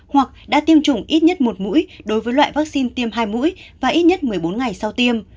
hoặc đã tiêm chủng ít nhất một mũi đối với loại vaccine tiêm hai mũi và ít nhất một mươi bốn ngày sau tiêm